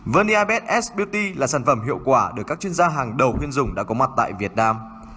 verniabed s beauty là sản phẩm hiệu quả được các chuyên gia hàng đầu khuyên dùng đã có mặt tại việt nam